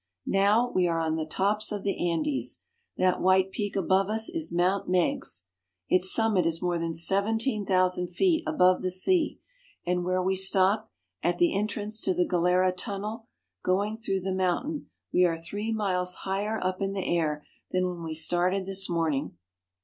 Now we are on the tops of the Andes. That white peak above us is Mount Meiggs. Its summit is more than seventeen thousand feet above the sea, and where we stop at the entrance to the Galera tunnel, going through the mountain, we are three miles higher up in the air than when we started this morning.